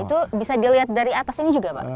itu bisa dilihat dari atas ini juga pak